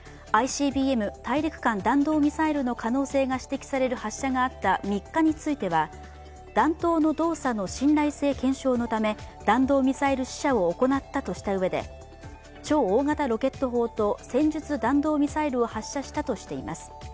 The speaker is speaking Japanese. ＩＣＢＭ＝大陸間弾道ミサイルの可能性が指摘される発射があった３日については、弾頭の動作の信頼性検証のため弾道ミサイル試射を行ったとしたうえで超大型ロケット砲と戦術弾道ミサイルを発射したとしています。